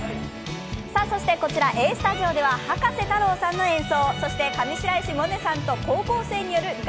そしてこちらＡスタジオでは博士太郎さんの演奏。